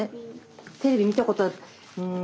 テレビ見たことある。